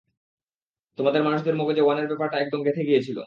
তোমাদের মানুষদের মগজে ওয়ানের ব্যাপারটা একদম গেঁথে গিয়েছিল!